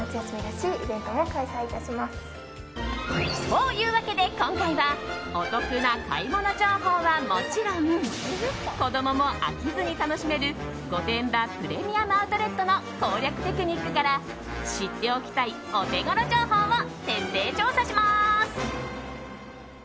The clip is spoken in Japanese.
というわけで今回はお得な買い物情報はもちろん子供も飽きずに楽しめる御殿場プレミアム・アウトレットの攻略テクニックから知っておきたいお手頃情報を徹底調査します！